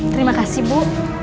terima kasih bu